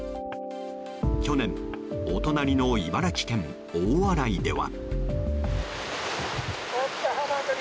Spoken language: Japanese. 去年、お隣の茨城県大洗では。